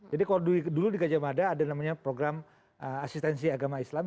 jadi kalau dulu di gajah mada ada program asistensi agama islam